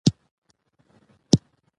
په پښتو کې ډېر قیدونه له مصدر سره تړلي دي.